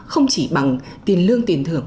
không chỉ bằng tiền lương tiền thưởng